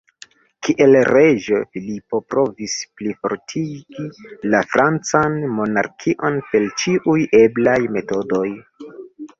Kiel reĝo, Filipo provis plifortigi la francan monarkion per ĉiuj eblaj metodoj.